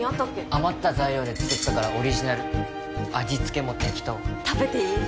余った材料で作ったからオリジナル味付けも適当食べていい？